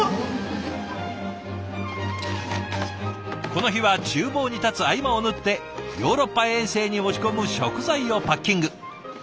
この日はちゅう房に立つ合間を縫ってヨーロッパ遠征に持ち込む食材をパッキング。